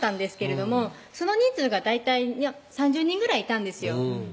その人数が大体３０人ぐらいいたんですよ